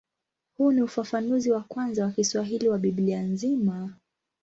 Huu ni ufafanuzi wa kwanza wa Kiswahili wa Biblia nzima.